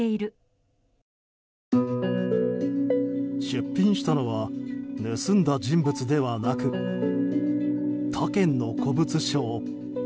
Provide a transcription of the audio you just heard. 出品したのは盗んだ人物ではなく他県の古物商。